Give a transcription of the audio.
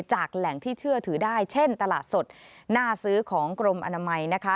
จากแหล่งที่เชื่อถือได้เช่นตลาดสดหน้าซื้อของกรมอนามัยนะคะ